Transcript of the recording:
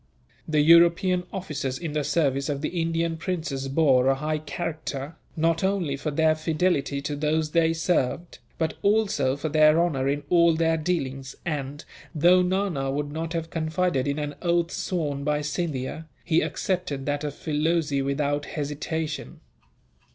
The European officers in the service of the Indian princes bore a high character, not only for their fidelity to those they served, but also for their honour in all their dealings and, though Nana would not have confided in an oath sworn by Scindia, he accepted that of Filoze without hesitation.